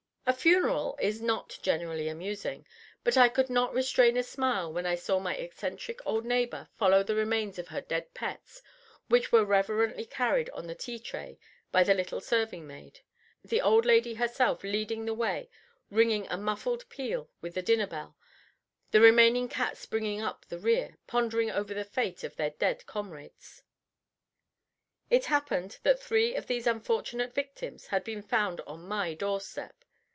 A funeral is not generally amusing, but I could not restrain a smile when I saw my eccentric old neighbor follow the remains of her dead pets, which were reverently carried on the tea tray by the little serving maid, the old lady herself leading the way, ringing a muffled peal with the dinner bell, the remaining cats bringing up the rear, pondering over the fate of their dead comrades. It happened that three of these unfortunate victims had been found on my doorstep.